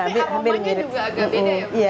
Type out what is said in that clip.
tapi mobilnya juga agak beda ya